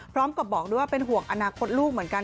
พร้อมกับบอกด้วยว่าเป็นห่วงอนาคตลูกเหมือนกัน